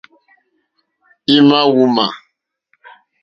É ǃmá wúŋmā.